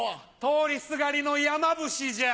通りすがりの山伏じゃ。